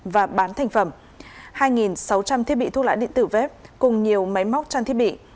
và bán thành phẩm hai sáu trăm linh thiết bị thuốc lá điện tử vép cùng nhiều máy móc trang thiết bị